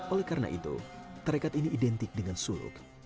oleh karena itu tarekat ini identik dengan suluk